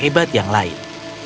dan juga ada yang lain